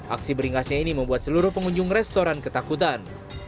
aksi beringasnya ini membuat seluruh pengunjung restoran ketakutan